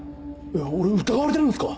俺疑われてるんですか？